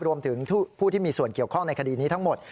รวมถึงผู้ที่มีส่วนเกี่ยวข้องในคดีนี้ทั้งหมด